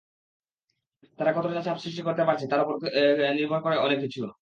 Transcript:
তারা কতটা চাপ সৃষ্টি করতে পারছে, তার ওপর নির্ভর করে অনেক কিছু।